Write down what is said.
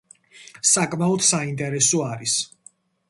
საკმაოდ საინტერესო არის.